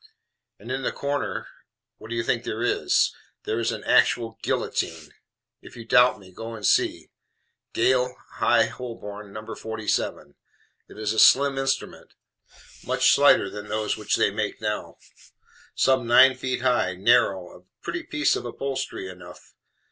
And in the corner what do you think there is? There is an actual GUILLOTINE. If you doubt me, go and see Gale, High Holborn, No. 47. It is a slim instrument, much slighter than those which they make now; some nine feet high, narrow, a pretty piece of upholstery enough.